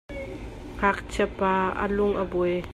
Ngakchiapa a lung a buai.